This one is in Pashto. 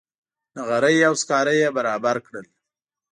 نغرۍ او سکاره یې برابر کړل.